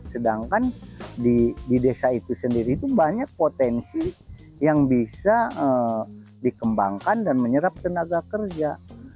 sedangkan di desa itu sendiri itu banyak potensi yang bisa dikembangkan dan menyerap tenaga kerja